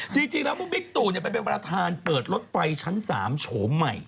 ที่จริงแล้วภุมพิธีตูประธานเปิดรถไฟชั้น๓โฉมใหม่